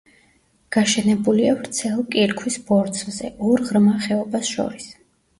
გაშენებულია ვრცელ კირქვის ბორცვზე, ორ ღრმა ხეობას შორის.